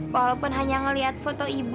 walaupun hanya melihat foto ibu